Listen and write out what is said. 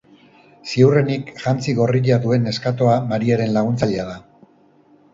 Ziurrenik, jantzi gorria duen neskatoa Mariaren laguntzailea da.